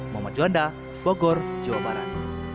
mohon maju anda bogor jawa barat